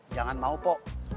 jangan mau po